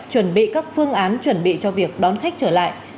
chuẩn bị các phương án chuẩn bị cho việc đón khách trở lại